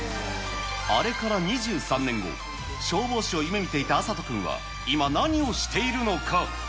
あれから２３年後、消防士を夢見ていた麻人君は今何をしているのか。